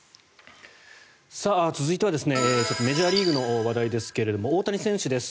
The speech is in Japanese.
続いてはメジャーリーグの話題ですけれども大谷選手です。